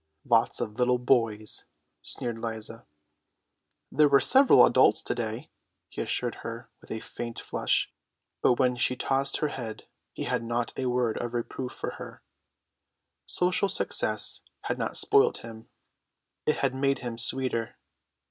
"Lots of little boys," sneered Liza. "There were several adults to day," he assured her with a faint flush; but when she tossed her head he had not a word of reproof for her. Social success had not spoilt him; it had made him sweeter.